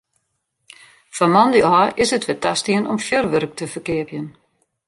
Fan moandei ôf is it wer tastien om fjurwurk te ferkeapjen.